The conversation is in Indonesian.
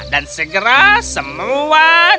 dan segera sempat berhenti